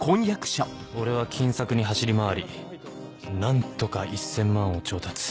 俺は金策に走り回り何とか１千万を調達